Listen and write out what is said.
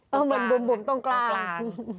เออเหมือนบุบตรงกลาง